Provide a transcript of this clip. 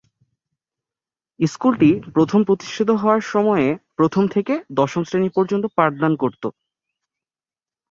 স্কুলটি প্রথম প্রতিষ্ঠিত হওয়ার সময়ে প্রথম থেকে দশম শ্রেণী পর্যন্ত পাঠদান করতো।